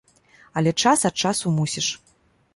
Але час ад часу мусіш.